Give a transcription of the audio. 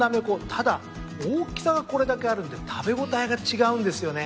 ただ大きさがこれだけあるんで食べ応えが違うんですよね。